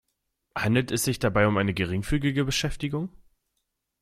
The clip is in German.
Handelt es sich dabei um eine geringfügige Beschäftigung?